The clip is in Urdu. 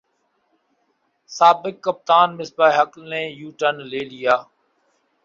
سابق کپتان مصباح الحق نے یوٹرن لے لیا